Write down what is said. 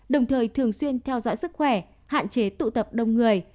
đồng thời thường xuyên theo dõi sức khỏe hạn chế tụ tập đông người